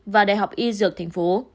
và đại học y dược thành phố